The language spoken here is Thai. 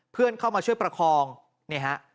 เพื่อนเข้ามาช่วยประคองนี่ฮะ